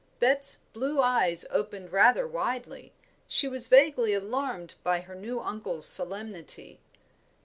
Bet's blue eyes opened rather widely; she was vaguely alarmed by her new uncle's solemnity.